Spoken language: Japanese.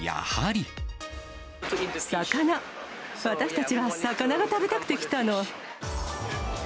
私たちは魚が食べたくて来たの。